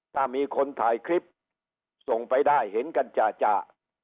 ถ้ามีคนถ่ายคลิปส่งไปได้เห็นกันจ่า